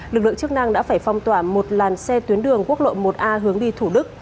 lực lượng chức năng đã phải phong tỏa một làn xe tuyến đường quốc lộ một a hướng đi thủ đức